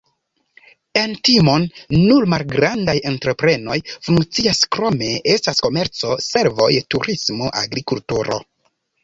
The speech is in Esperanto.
En Timon nur malgrandaj entreprenoj funkcias, krome estas komerco, servoj, turismo, agrikulturo.